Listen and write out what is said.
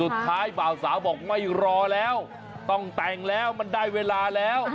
ข่าวบ่าวสาวบอกไม่รอแล้วต้องแต่งแล้วมันได้เวลาแล้ว